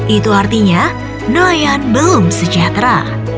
itu artinya nelayan belum sejahtera